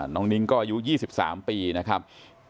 น้องนิ้งก็อายุ๒๓ปีนะครับ